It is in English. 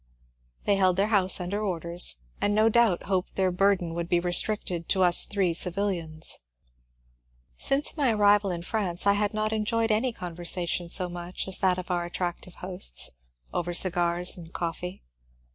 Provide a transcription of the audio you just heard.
They held their house under orders, and no doubt hoped their burden would be restricted to us three civUians. Siuce my arrival in France I had not enjoyed any conversation so much as that of our attractive hosts, over cigars and coffee.